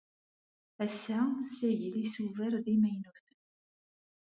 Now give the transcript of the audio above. Ass-a, tessagel isubar d imaynuten.